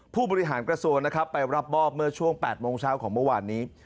ผู้บริหารกระทรวงนะครับไปรับมอบเมื่อช่วง๘โมงเช้าของเมื่อวานนี้